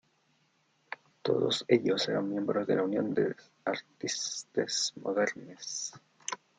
Todos ellos eran miembros de la Union des Artistes Modernes.